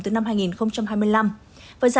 từ năm hai nghìn hai mươi năm